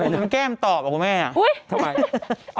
แล้วแล้วแก้มตอบแล้วคุณแม่